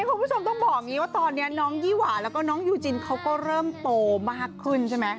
คุณผู้ชมต้องบอกอย่างนี้ว่าตอนนี้น้องยี่หวาแล้วก็น้องยูจินเขาก็เริ่มโตมากขึ้นใช่ไหม